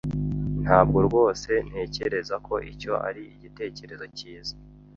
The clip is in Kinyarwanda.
Ntabwo rwose ntekereza ko icyo ari igitekerezo cyiza.